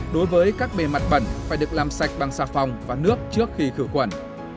đối với các bề mặt bẩn phải được làm sạch bằng xà phòng và nước trước khi khử khuẩn